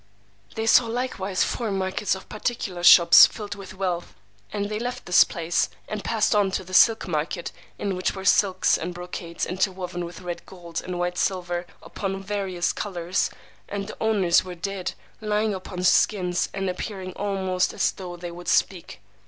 They saw likewise four markets of particular shops filled with wealth. And they left this place, and passed on to the silk market, in which were silks and brocades interwoven with red gold and white silver upon various colours, and the owners were dead, lying upon skins, and appearing almost as though they would speak.